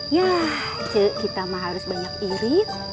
yah cek kita mah harus banyak irit